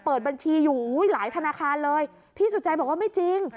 เปิดบัญชีอยู่อุ้ยหลายธนาคารเลยพี่สุจัยบอกว่าไม่จริง